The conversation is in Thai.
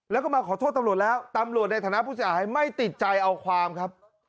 แล้วก็มาขอโทษตำรวจแล้วตำรวจในฐานะผู้เสียหายไม่ติดใจเอาความครับ